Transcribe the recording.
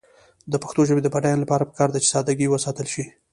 د پښتو ژبې د بډاینې لپاره پکار ده چې ساده ګي وساتل شي.